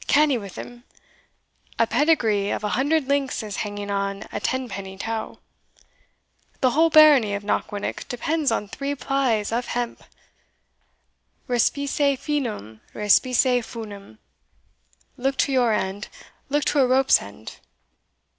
canny wi' him a pedigree of a hundred links is hanging on a tenpenny tow the whole barony of Knockwinnock depends on three plies of hemp respice finem, respice funem look to your end look to a rope's end.